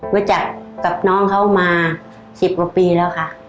รู้จักกับน้องเขามา๑๐กว่าปีแล้วค่ะ